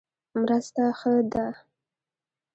مرسته ښه ده.